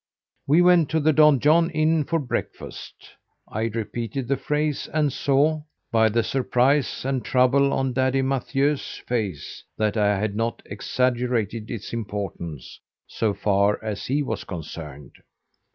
We went to the Donjon Inn for breakfast; I repeated the phrase and saw, by the surprise and trouble on Daddy Mathieu's face, that I had not exaggerated its importance, so far as he was concerned.